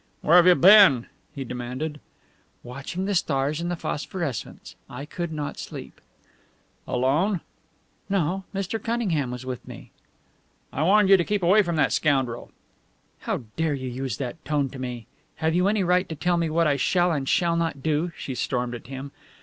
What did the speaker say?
"Where have you been?" he demanded. "Watching the stars and the phosphorescence. I could not sleep." "Alone?" "No. Mr. Cunningham was with me." "I warned you to keep away from that scoundrel!" "How dare you use that tone to me? Have you any right to tell me what I shall and shall not do?" she stormed at him.